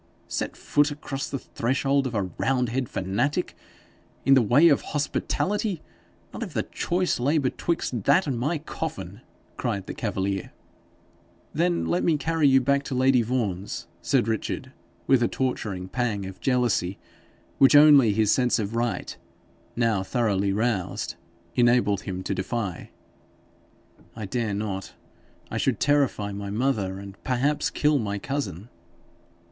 'Set foot across the threshold of a roundhead fanatic! In the way of hospitality! Not if the choice lay betwixt that and my coffin!' cried the cavalier. 'Then let me carry you back to lady Vaughan's,' said Richard, with a torturing pang of jealousy, which only his sense of right, now thoroughly roused, enabled him to defy. 'I dare not. I should terrify my mother, and perhaps kill my cousin.'